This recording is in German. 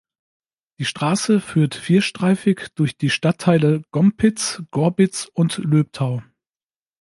Die Straße führt vierstreifig durch die Stadtteile Gompitz, Gorbitz und Löbtau.